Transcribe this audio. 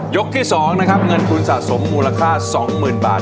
ที่๒นะครับเงินทุนสะสมมูลค่า๒๐๐๐บาท